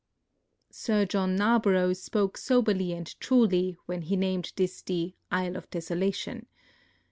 Sir John Narborough spoke soberl}^ and truly when he named this the " Isle of Desolation."